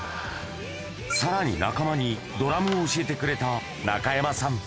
さらに、中間にドラムを教えてくれた中山さん。